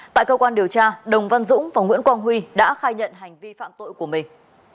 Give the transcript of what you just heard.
tại cơ quan điều tra đồng văn dũng và nguyễn quang huy đã khai nhận hành vi phạm tội của mình